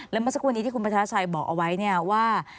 แล้วเมื่อสักวันนี้ที่คุณประชาชัยบอกเอาไว้ว่า